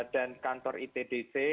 dan kantor itdc